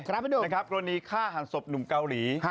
แต่คราวนี้ฆ่าหังศพหนุ่มเกาหลี